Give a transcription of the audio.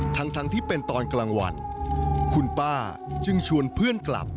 ทั้งที่เป็นตอนกลางวันคุณป้าจึงชวนเพื่อนกลับ